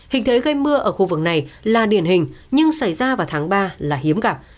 hình thế gây mưa ở khu vực này là điển hình nhưng xảy ra vào tháng ba là hiếm gặp